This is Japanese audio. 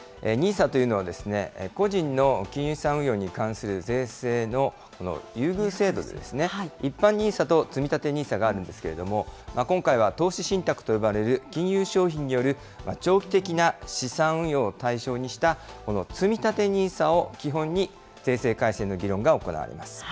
ＮＩＳＡというのは、個人の金融資産運用に関する税制の優遇制度ですね、一般ＮＩＳＡとつみたてＮＩＳＡがあるんですけれども、今回は投資信託と呼ばれる金融商品による長期的な資産運用を対象にしたこのつみたてＮＩＳＡを基本に税制改正の議論が行われます。